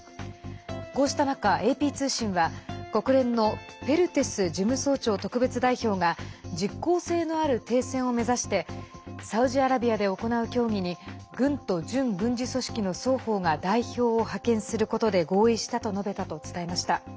こうした中、ＡＰ通信は国連のペルテス事務総長特別代表が実効性のある停戦を目指してサウジアラビアで行う協議に軍と準軍事組織の双方が代表を派遣することで合意したと述べたと伝えました。